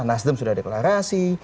nasdim sudah deklarasi